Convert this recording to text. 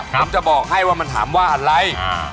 ผมจะบอกให้ว่ามันถามว่าอะไร